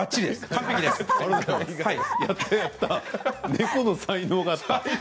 猫の才能があった。